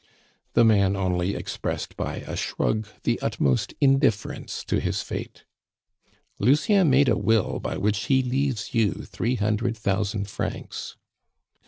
The man only expressed by a shrug the utmost indifference to his fate. "Lucien made a will by which he leaves you three hundred thousand francs."